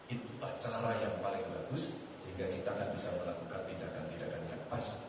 itulah celah yang paling bagus sehingga kita akan bisa melakukan tindakan tindakan yang pas